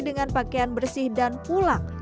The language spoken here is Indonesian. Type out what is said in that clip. dengan pakaian bersih dan pulang